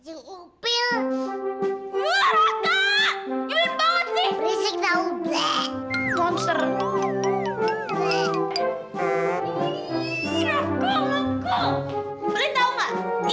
ini anak siapa